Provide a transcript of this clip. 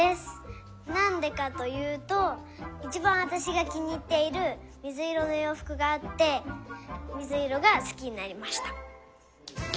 なんでかというといちばんわたしがきにいっているみずいろのようふくがあってみずいろがすきになりました。